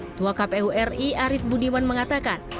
ketua kpu ri arief budiman mengatakan